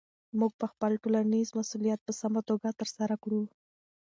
موږ به خپل ټولنیز مسؤلیت په سمه توګه ترسره کړو.